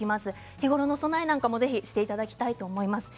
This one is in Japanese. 日頃の備えなんかもしていただきたいと思います。